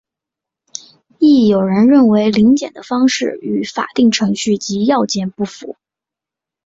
亦有人认为临检的方式与法定程序及要件不符。